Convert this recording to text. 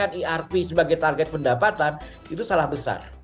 kalau sudah menargetkan irp sebagai target pendapatan itu salah besar